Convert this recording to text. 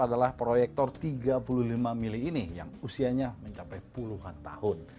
adalah proyektor tiga puluh lima mili ini yang usianya mencapai puluhan tahun